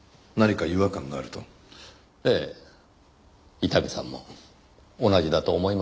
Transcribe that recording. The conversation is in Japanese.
伊丹さんも同じだと思いますよ。